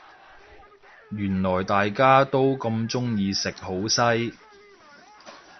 原來大家都咁鍾意食好西